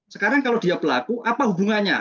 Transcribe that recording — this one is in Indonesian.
sekarang kalau dia pelaku apa hubungannya